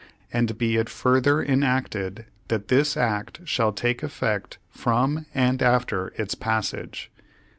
And be it further enacted, That this act shall take effect from and after its passage.'